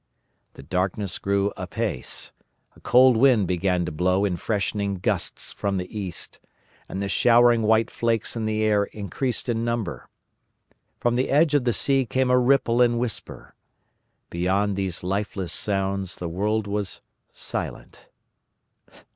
"The darkness grew apace; a cold wind began to blow in freshening gusts from the east, and the showering white flakes in the air increased in number. From the edge of the sea came a ripple and whisper. Beyond these lifeless sounds the world was silent.